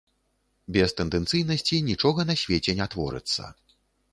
Без тэндэнцыйнасці нічога на свеце не творыцца.